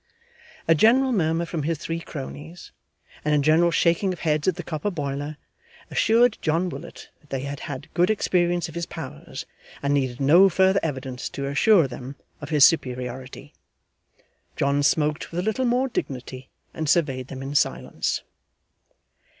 A general murmur from his three cronies, and a general shaking of heads at the copper boiler, assured John Willet that they had had good experience of his powers and needed no further evidence to assure them of his superiority. John smoked with a little more dignity and surveyed them in silence.